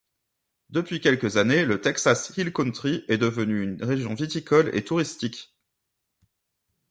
Depuis quelques années, le Texas Hill Country est devenu une région viticole et touristique.